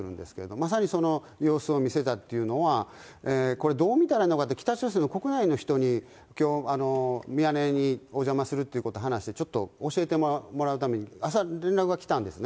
まさにその様子を見せたというのは、これ、どう見たらいいのかって、北朝鮮の国内の人にきょう、ミヤネ屋にお邪魔するということを話し、ちょっと教えてもらうために朝、連絡が来たんですね。